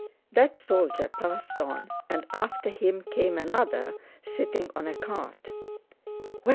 That soldier passed on, and after him came another sitting on a cart.